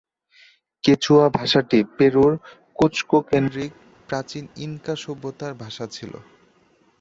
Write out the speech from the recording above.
Quechua ভাষাটি পেরুর কুজকো-কেন্দ্রিক প্রাচীন ইনকা সভ্যতার ভাষা ছিল।